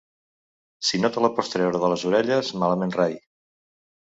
Si no te la pots treure de les orelles malament rai!